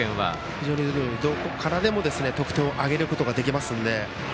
非常に、どこからでも得点を挙げることができますので。